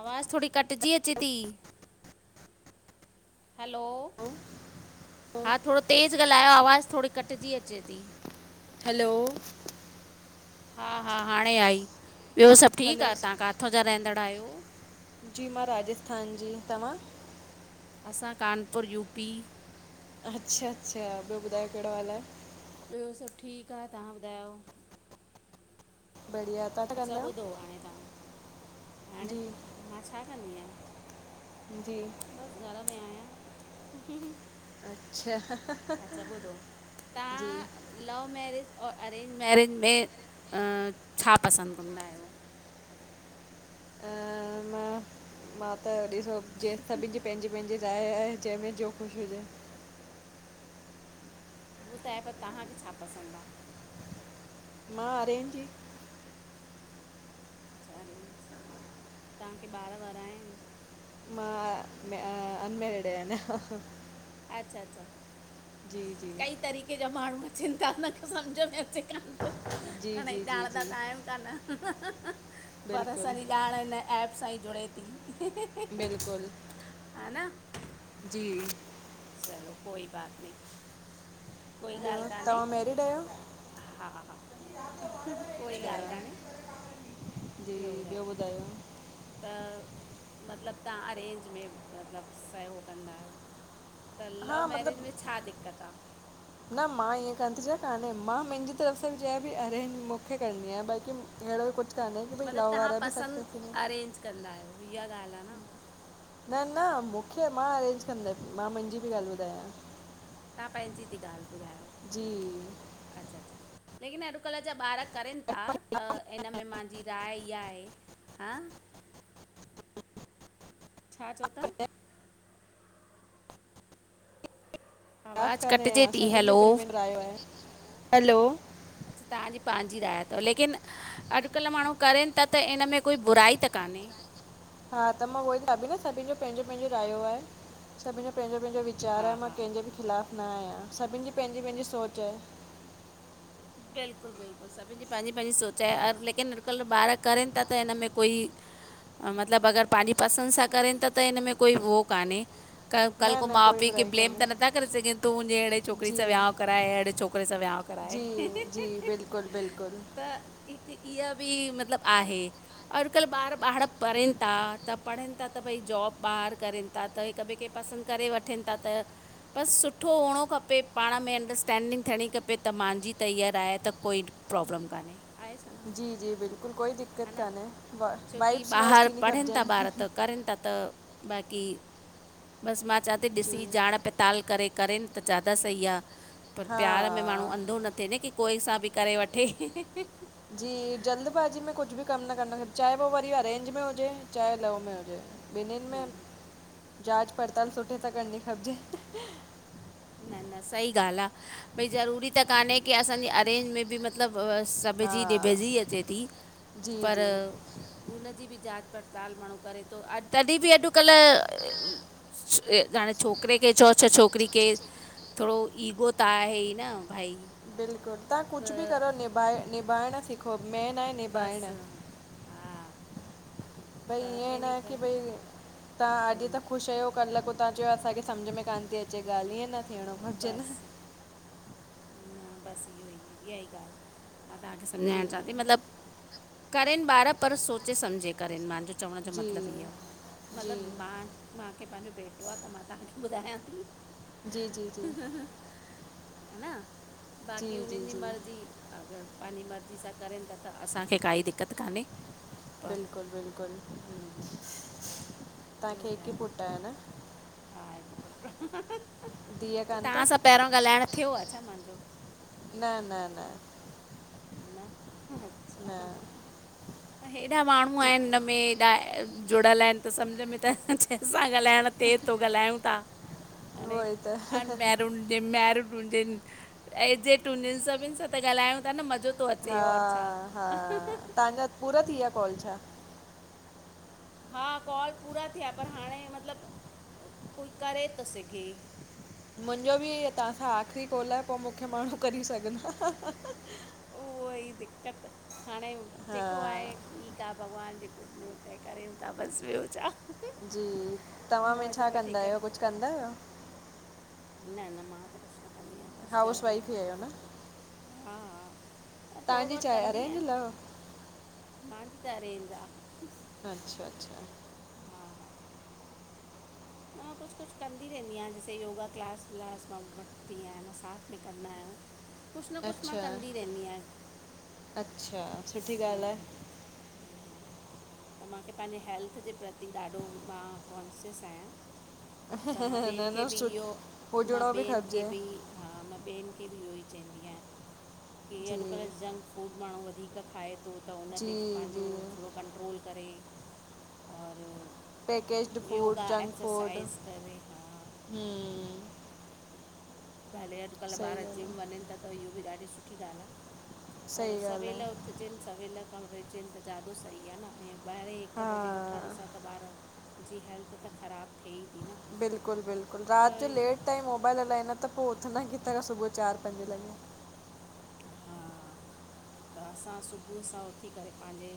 आवाज़ थोडी कटजी अचे थी। हलो हा थोड़ो तेज़ ॻाल्हायो आवाज़ थोडी कटिजी अचे थी। हैलो हा हा हाणे आई ॿियो सभु ठीकु हैलो आहे? तव्हां किथां जा रहंदड़ु आहियो? जी मां राजस्थान जी। तव्हां? असां कानपुर यूपी। अच्छा -अच्छा ॿियो ॿुधायो कहिड़ो हालु आहे? ॿियो सभु ठीकु आहे तव्हां ॿुधायो? बढ़िया तव्हां छा अच्छा कंदा ॿुधो आहियो हाणे तव्हां हाणे जी मां छा कंदी आहियां? जी बस घर में आहियां। अच्छा अच्छा ॿधो जी तव्हां? लव मैरिज और अरेंज मैरिज में छा पसंदि कंदा आहिययो? मां मां त ॾिसो जे सभिनि जी पंहिंजी पंहिंजी राय आहे जंहिंमें जो ख़ुशि हुजे। उअ त आहे पर तव्हांखे छा पसंदि आहे? मां अरे ही। चार इंच तव्हांखे ॿार वरा आहिनि। मां अनमैरड आया अना। अच्छा अच्छा जी जी कई तरीक़े जा माण्हू अचंता न सम्झ में अचे कोन्ह थो जी ना हे जी जी ॼाण ता जी त्हयम कान पर असांजी बिल्कुलु ॼाण हिन एप सां ई जुड़े थी। बिल्कुलु ह न जी चलो कोई बात न ॿियो तव्हां मैरिड आहियो? हा हा कोई ॻाल्हि अच्छा कान्हे। जी ॿियो बुध? त मतिलबु तव्हां अरेंज में मतिलबु सयोग कंदा आहियो? त हा लव मैरिज में मतिलबु छा दिक्क़त आ? न मां ईअं कन थी च कान्हे मां मुंहिंजी तरफ़ सां बि चय भई अरे मूंखे करणी आहे बाक़ी अहिड़ो कुझु तान क भई मतिलबु लाओ तव्हां वारा बि पसंदि सखसफुल अरेंज कंदा आहियो इहा ॻाल्हि आहे न न न मूंखे मां अरेंज कंदसि मां मुंहिंजी बि ॻाल्हि ॿुधायां। तव्हां पंहिंजी थी ॻाल्हि ॿुधायो जी अच्छा अच्छा लेकिन अॼुकल्ह जा ॿारक करनि था त इन में मुंहिंजी राय इहा आहे। हा छा चओ था? आवाज़ु कटिजे थी सभि जो हैलो प्रयो आहे हलो तांॼी पेंॼी राय तव लेकिन अॼकल माणू। करन ता त इन में कोई बुराई त काने। हा त मां उयो ई न सॿिन ॼो पांॼो पांॼो रायो आये। सॿिन ॼो पेॼो पेंॼो वीचार हा आ मां हा कें ॿि ख़िलाफ़ न आयां सॿिन ॼी पेंॼी-पेंॼी सोच आये। बिल्कुल-बिल्कुल सॿिन ॼी पांॼी पांॼी सोच आये लेकिन अॼुकल ॿार करन ता त हिनमें कोई। मतलब अगर पांॼी पसंद सां करन त त हिन में कोई हो काने। क कल न को न कोई माउ-पीउ खे बुराई ब्लेम कान्हे त नथा करे सघन तूं मुंॼे एड़े छोकरी सां जी विआउ कराए एड़े छोकरे सां विआउ कराए। जी जी बिल्कुलु बिल्कुलु त हिक इअ ॿि मतलब आहे। अॼकल ॿार बाहर पढ़िन ता त पढ़न ता त भई जॉब ॿार करिन। थता त हिक ॿेए खे पसंद करे वठन ता त। बस सुठो हुअणो खपे पाण में अंडरस्टैंडिंग थियणी खपे त मांॼी। त ईयर आये त कोई प्रॉब्लम काने। आहे छा न जी जी बिल्कुलु कोई दिक़त है ना कान्हे वा छोकी वाइब्स मैच ॿाहर थींदी पढ़न था खपजनि ॿार त करन ता। त बाक़ी बस मां चयां ती जी ॾिसी ॼाण पत। ताल करे करेन त ज्यादा सई आ पर हा प्यार में माणू अंधो नथ थि न की कोई सां ॿि करे वठे। ॼी जल्दबाज़ी में कुछ ॿि कम न करण खपे चाये उ वरी अरेंज में हुजे चाये लव में हुजे। ॿिनिन में जांच पड़ताल सुठे सां करणी खपजे। न-न सई ॻाल आ भई ज़रूरी त काने की असांजी अरेंज में ॿि मतलब। मतलब हा सॿॼी निॿॼी अचे ती जी पर जी हुनॼी ॿि जांच पड़ताल माणू करे तो तॾि ॿि अॼकल। हाणे छोकरे खे चओ छ छोकरी खेे। न थोड़ो ईगो त आहे ई न भई। बिल्कुल तां कुछ ॿि करो निभाए निभाइण सिखो मेन आए। बस भई त ईअं न इन आ की करे भई तां अॼ हम्म, त ख़ुश आयो कल उतां चयो असांखे समझ में कान ती अचे ॻाल ईअं न थियोणो। बस न बस इयो ई इया ई ॻाल आ। मां तांखे सम्झाइण चांती मतलब करेन ॿार पर सोचे समझे करन मांॼो। चवण ॼो जी मतलब इय आ जी जी मतलब मां। मूंखे पांॼो ॿेटो आ त मां तांखे ॿुधायां ती। जी-जी-जी ह ना जी बाक़ी जी हुनन ॼी जी मर्ज़ी। अगर पांॼी मर्ज़ी सां करन ता त असांखे काई दिक्कत काने। बिल्कुल-बिल्कुल ॿियो तांखे हिक ई ॿुधायो पुट आये न? हा हिक धीउ पुट कान तां अथव सां पैंरों ॻालाइण थियो आ छा मांॼो। न-न-न न न अच्छा हेॾा माणूअ धी आयन हिनमें हेॾा। जुड़यल आयन त समझ में त जेंस सां ॻालाइण थे तो ॻालायूं ता। हाणे उहो ई त अन मेरुन मैरिड सुजन एजेड हुजन सॿिन सां त ॻालायूं था न म हा-हा तांॼा पूरा थी वया कॉल छा? हा कॉल पूरा थया पर हाणे मतलब कोई करे तो सघे। मुंॼो ॿि इह तां सां आख़री कॉल आ पो मूंखे माणू करी सघंदा। कोइ दिक़त, हाणे जेको आहे हा ठीकु गीता भॻवान जी कुरलियूं तय कयूं था बसि ॿियो छा? जी। तव्हां में मौज छा वठी कंदा आहियो करो कुझु कंदा आहियो? न न मां त कुछ हाउस वाइफ ई आहियो न? हा हा तहांजी छा आहे? Arrange, love? माँजी त अरेज आ। अछा अच्छा हा हा न मां कुझु कुझु कंदी रहंदी आहियां जैसे योगा क्लास वलास मां वठंदी आहियां साथ में कंदा आहियूं। इनौड़ीबल कुझु न कुझु मां कंदी रहंदी आहियां। अच्छा सुठी ॻाल्हि आहे। त मूंखे पंहिंजे हेल्थ जे प्रति ॾाढो मां कॉन्शियस आहियां। त मां न ॿियनि खे न बि सुठो, इहो मां हुजणो बि ॿियनि खे खपजे। बि हा मां ॿियनि खे बि इहो ई चवंदी आहियां की जी अॼुकल्ह जंक फूड माण्हू वधीक खाए थो त उ ते जी पंहिंजो जी थोरो कंट्रोल करे और पैकेजड फूड, जंक फूड अरे हा हम्म भले अॼुकल्ह सही ॿार ॻाल्हि आहे जिम वञनि था त इहो बि ॾाढी सुठी ॻाल्हि आ सही पर ॻाल्हि सवेल आहे उथजनि सवेल खां उथजनि त ज्यादा सही आहे न हाणे ॿाहिरे हिकु हा बजे देर सां उथण सां त, ॿार जी हेल्थ त ख़राबु थिए ई थी न बिल्कुलु बिल्कुलु त राति जो लेट ताईं मोबाइल हलाईंदा त पोइ उथंदा किथां सुबुह चारि पंज लॻे। इनौड़ीबल त असां सुबुह सां उथी करे पंहिंजे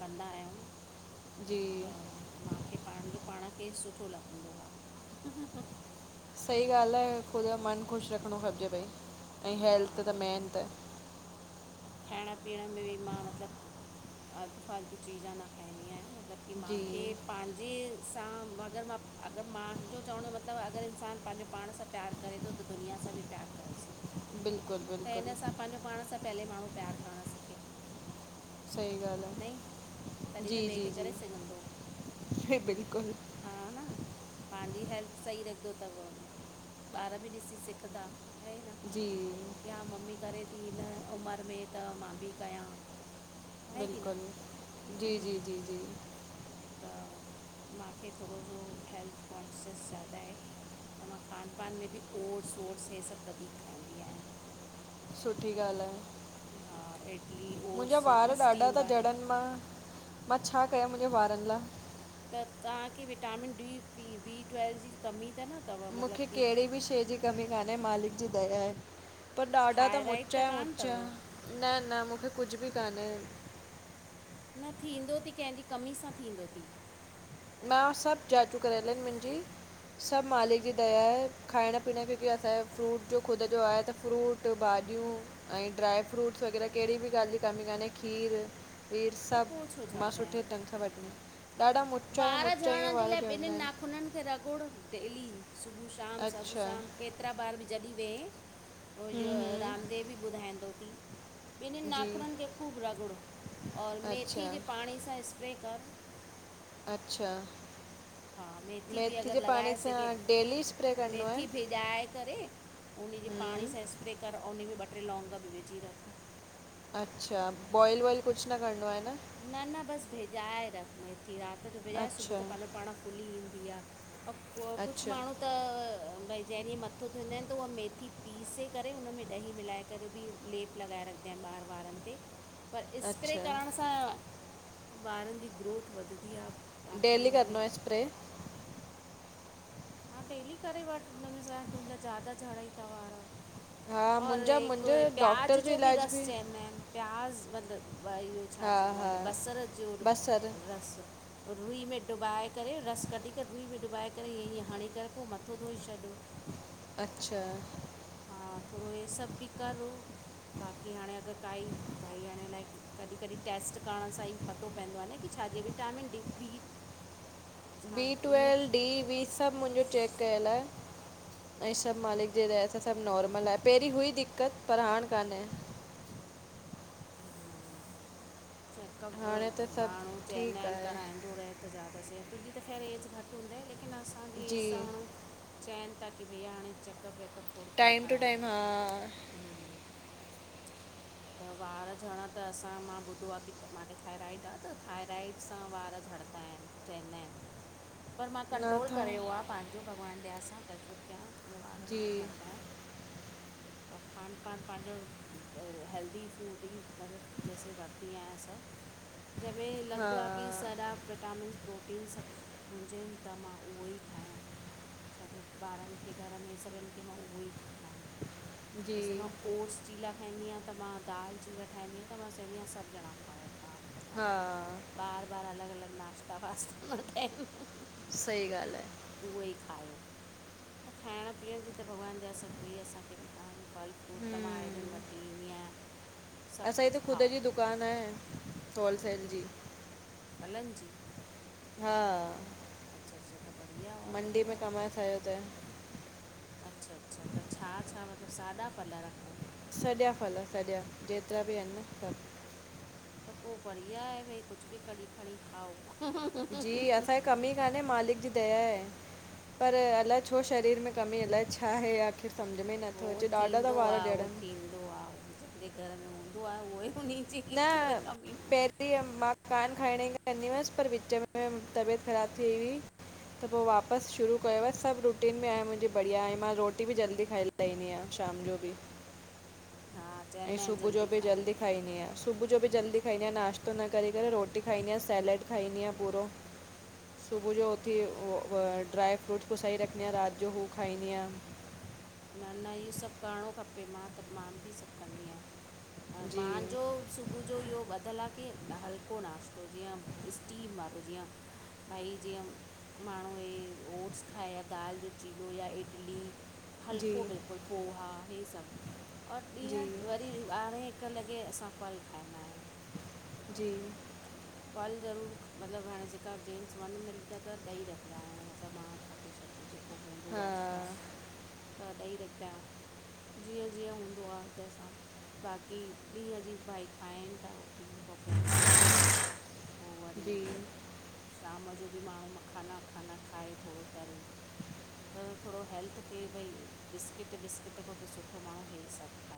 कंदा आहियूं जी त मूंखे पंहिंजो पाण खे सुठो लॻंदो आ। सही ॻाल्हि आहे ख़ुदि मनु ख़ुशि रखिणो खपजे भई ऐं हेल्थ हा त मेन त। खाइण पीअण में बि मां मतिलबु आालतू फालतू चीज़ा न खाईंदी आहियां मतिलबु की जी माखे पंहिंजे सां अगरि मां अगरि मुंहिंजो चवण जो मतिलबु अगरि इंसान पंहिंजो पाण सां प्यारु करे थो त दुनिया सां बि प्यारु करे सघे बिल्कुलु त हिन बिल्कुलु सां पंहिंजो पाण सां पहियोे माण्हू प्यारु करणु सिखे। सही ॻाल्हि नईं आहे, तॾहिं त जी ॿिए जी खे करे सघंदो जी बिल्कुल। हा न इनौड़ीबल पंहिंजी हेल्थ सही रखंदो त ॿार बि ॾिसी सिखंदा ऐं न जी या मम्मी करे थी हिनन उमिरि में त मां बि कया बिल्कुलु जी जी जी जी त मूंखे थोरो सो हेल्थ कॉन्शियस ज़्यादा आहे त मां खान पान में बि ओटस वोर्स हीअ सभु वधीक खाईंदी आहियां। सुठी ॻाल्हि आहे। हा इडली मुंहिंजा ओट्स वार ॾाढा स्टीम था वारे झड़नि। मां, मां छा कयां मुंहिंजे वारनि लाइ? त तव्हांखे विटामिन डी, वी ट्वेल्व जी कमी त न थव? मूंखे कहिड़ी बि शइ जी कमी कान्हे मालिक जी दया आहे। पर ॾाढा ता थायराइड मुच त कान मुच, अथव न न मूंखे कुझु बि कान्हे। न थींदो ती कंहिंजी कमी सां थींदो ती। मां सभु जाचूं करयल आहिनि मुंहिंजी। सभु मालिक जी दया आहे खाइण पीअण असांजो फ्रूट जो ख़ुदि जो आहे त फ्रूट भाॼियूं ऐं ड्राई फ्रूट्स वग़ैरह कहिड़ी बि ॻाल्हि जी कमी कान्हे खीरु खीर त पोइ छो सभु मां झड़ंदा सुठे आहिनि ढग सां वठंदी आहियाँ, ॾाढा मुच ऐं मुचा ईअं वार ॼणंदा आहिनि। हुननि खे रगुड़ डेली सुबुह शाम सुबुह अच्छा शाम केतिरा बार बि जॾहिं वेह उ इहो हूं हूं रामदेव बि ॿुधाईंदो थी ॿिन्हिन जी नाखुन खे ख़ूब रगड़ो। और अच्छा मेथी जे पाणी सां इ्प्रे कर। अच्छा हा बि मेथी जे अगरि पाणी लॻाए सां डेलली स्प्रे करणो आहे। बिॼाऐ करे उनजी पाणी सां स्प्रे कर उन में ॿ टे लौंग बि विझी रख। अच्छा बॉइल वॉइल कुछ न करिणो आहे न। न न बस बिॼाए रख मेथी रात जो वझाए सुबुह अच्छा त पंहिंजो पाण फुली ईंदी आ। [unintelligible] कुछ माण्हू। त [inaudible] भई जंहिं डिह मथो धो इंदा आहिन त उहा मेथी पीसे करे उन में ॾही मिलाए करे बि लेप लॻाए रखंदा आहिन ॿार वारन ते। पर इ्प्रे अच्छा करण सां वारन जी ग्रोथ वधंदी आ। डेली करणो आ स्प्रे? हा डेली करे वठ हुनमें छा तुंहिंजा ज्यादा झड़ाई था वार। हा और मुंहिंजा हिक मुंहिंजो प्याज डॉक्टर जो बि इलाज रस चवंदा आहिनि। प्याज़ मतलब इहो छा हा चइबो हा आहे। बसर जो बसर रस। ओ रुई में डुबाए करे रस कढी करे रुई में डुबाए करे ईअं ईीअं हणी करे पोइ मथो धोई छॾियो। अच्छा। हा थोरो हे सभ बि कर बाक़ी हाणे अगर काई। भई हाणे लाइ कॾहिं कॾहिं टेस्ट करण सां ई पतो पवंदो आ न की छाजे विटामिन डी बी छा बी इन ट्वेल् डी वी सभ मुंहिंजो चेक कयल आहे। ऐं सभ मालिक जे दया सा सभ नॉर्मल आहे पहिरीं हुई दिक़त पर हाणे कान्हे। चेकअप हाणे त माण्हू सभु चवंदा ठीकु आहिनि आहे कराईंदो रहे त ज़्यादा स तुंहिंजी त ख़ैर ऐज घट। हूंदा आहे लेकिन असांजी ए जी सां माण्हू चवनि था की भई हाणे। चेकअप वेकअप थोरो थोरो टाइम टू कराईरो टाइम हा खपे। त वार झणा त असा मां ॿुधो आहे। की त माखे थायराइड आहे त थायराइड सां वार झरंदा आहिनि चवंदा आहिनि। पर मां कंट्रोल नथा करेियो आहे पंहिंजो भॻवान दया सां टचवुड कयां। मुझा वार जी न छॾंदा आहिन। खान पान पंहिंजो हेल्दी फूड ई मतलब जैसे वरत। दी आहियां सभु जंहिंमें हा लॻंदो आहे की सॼा विटामिन्स। प्रोटीन सभ हजें त मां उहो ई खायां। छा ॿारनि खे घर में सभिन खे मां उहो ई खारायां। जी जैसे मां ओट्स चीला ठाहींदी आहियां त मां दाल चीला ठाहींदी आहियां त मां चवींदी आहियां सभु बिना खां पान। प [unintelligible] हा। बार बार अलॻ अलॻ नाश्ता वास्ता मंदा आहिनि। [unintelligible] सही ॻाल्हि आहे। उहो ई खायो त खाइण पीअण जी त भॻवान जा असां कोई असांखे बि कान। फल फ्रूट त मां आएडिन हम्म वठी ईंदी आहियां। सभु असांजी त कुझु ख़ुद खाओ जी दुकान आहे होलसेल जी फलन जी? हा अच्छा अच्छा [inaudible] और मंडी में बढ़िया कम आ असांजो त अच्छा अच्छा, त छा छा मतलब सादा फल रखो? सॼा फल सॼा जेतरा बि आहिनि न सभ। त पोइ बढ़िया आहे भई कुछ बि कॾहिं खणी खाओ जी, असांखे कमी कान्हे मालिक जी दया आहे पर अलाए छो शरीर में कमी अलाए छा आहे मुखे समझ में ही नथो अचे ॾाढा था वार ॼणन। हूंदो आ जंहिंजे घर में हूंदो आह उहोई उन्ही न पहिरो मां कान खाइण जी कन्दी हुअसि पर विच में मुंजी तबियत ख़राब थी हुई त पो वापसि शुरू कयो आ सभु रुटीन में आ मुंहिंजी बढ़िया आहे मां रोटी बि जल्दी खाईं दी आहियां शाम जो बि, हा ऐं चवंदा आहिनि सुबुह जो बि खाइणु जल्दी खपे खाईंदी आ सुबुह जो बि जल्दी खाईंदी आहियां नाश्तो न करे करे रोटी खाईंदी आहियां सैलैड खाईंदी आहियां पूरो सुबुह जो उथी उहो ड्राई फ्रूट्स पुसाए रखंदी आहियां राति जो हू खाईंदी आ न न इहो सभु करणो खपे मां त मां बि सभु कंदी आहियां जी मांजो सुबुह जो इहो ॿधियलु आ की हलको नाश्तो जीअं स्टीम वारो जीअं भई जीअं माण्हू इहे ओट्स खाए या दाल जो चीलो या इडली जी हलको बिल्कुलु पोहा हे सभु और जी ॾींहं वरी ॿारहें हिक लॻे असां फल खाईंदा आहियूं। जी फल ज़रूरु मतिलबु हाणे जेका जेंन्स वञ निकंदा त ॾेई रखंदा आहियूं मतिलबु मां कटे शटजे पो हूंदो हा आहे जीअं त ॾेई रखंदा आहियूं। जीअं जीअं हूंदो आ तंहिंसां बाक़ी ॾींहं जी बि भाई खाइनि था रोटी पोइ पोइ वरी जी शाम जो बि माण्हू मखाना- वखाना खाए थोरो तरे [inaudible] त थोरो हेल्थ के भई बिस्किट बिस्किट खां त सुठो माण्हू इहे सभु खाए